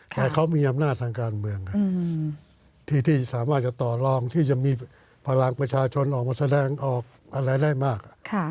แต่เขามีอำนาจทางการเมืองที่สามารถจะต่อลองที่จะมีพลังประชาชนออกมาแสดงออกอะไรได้มาก